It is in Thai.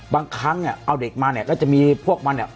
บางครั้งเนี่ยเอาเด็กมาเนี่ยก็จะมีพวกมันเนี่ย